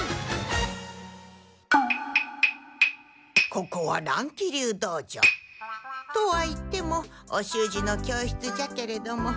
ここは乱気流道場。とは言ってもお習字の教室じゃけれども。